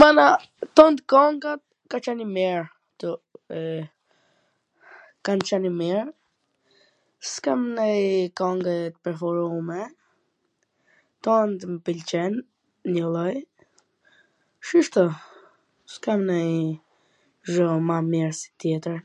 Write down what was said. Mana, twn kohwn ka qwn i mir ktu, kan qwn i mir, s kam nonj kongw t preferume, tant mw pwlqen njwlloj, shishto, s kam nanjw zho ma mir se tjetwr.